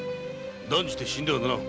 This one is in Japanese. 断じて死んではならん。